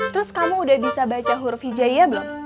terus kamu udah bisa baca huruf hijaya belum